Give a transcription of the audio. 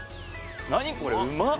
何これうまっ